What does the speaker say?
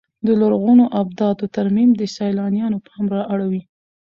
د لرغونو ابداتو ترمیم د سیلانیانو پام را اړوي.